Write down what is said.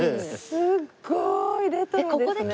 すごいレトロですね。